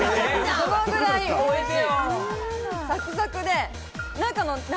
そのくらいおいしい。